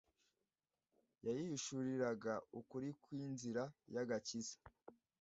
yayihishuriraga ukuri kw’inzira y’agakiza.